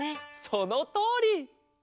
そのとおり！